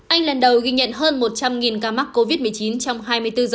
anh lần đầu ghi nhận hơn một trăm linh ca mắc covid một mươi chín trong hai mươi bốn h